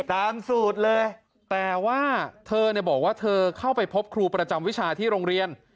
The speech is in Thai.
ตามสูตรเลยแต่ว่าเธอบอกว่าเธอเข้าไปพบครูประจำวิชาที่โรงเรียน